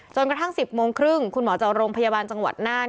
กระทั่ง๑๐โมงครึ่งคุณหมอจากโรงพยาบาลจังหวัดน่าน